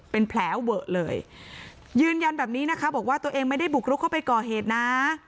เป็นแผลเวอะเลยยืนยันแบบนี้นะคะบอกว่าตัวเองไม่ได้บุกรุกเข้าไปก่อเหตุนะ